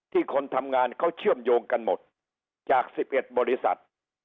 คนทำงานเขาเชื่อมโยงกันหมดจาก๑๑บริษัท